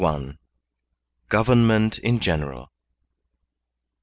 Government in General.